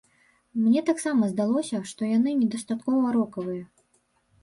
Мне таксама здалося, што яны недастаткова рокавыя.